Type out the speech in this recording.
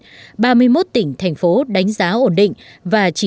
ba mươi một tỉnh thành phố đánh giá ổn định và chỉ dùng tỉnh thành phố đánh giá ổn định